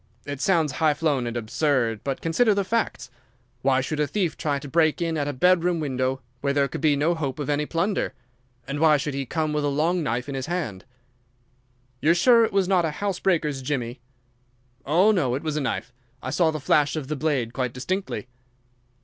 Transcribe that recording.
It sounds high flown and absurd, but consider the facts! Why should a thief try to break in at a bedroom window, where there could be no hope of any plunder, and why should he come with a long knife in his hand?" "You are sure it was not a house breaker's jimmy?" "Oh, no, it was a knife. I saw the flash of the blade quite distinctly."